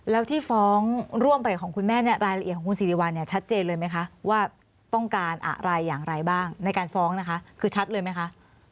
แล้วที่ฟ้องร่วมไปของคุณแม่เนี่ยรายละเอียดของคุณสิริวัลเนี่ยชัดเจนเลยไหมคะว่าต้องการอะไรอย่างไรบ้างในการฟ้องนะคะคือชัดเลยไหมคะ